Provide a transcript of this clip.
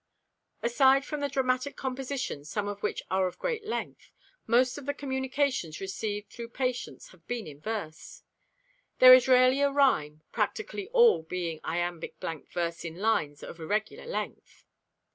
Aside from the dramatic compositions, some of which are of great length, most of the communications received from Patience have been in verse. There is rarely a rhyme, practically all being iambic blank verse in lines of irregular length.